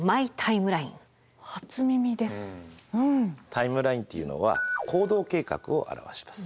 タイムラインっていうのは行動計画を表します。